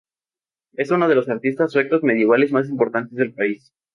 Es uno de los artistas suecos medievales más importantes del país.